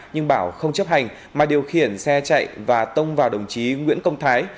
nhưng bảo không chấp hành mà điều khiển xe chạy và tông vào đồng chí nguyễn công thái